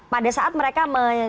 pada saat mereka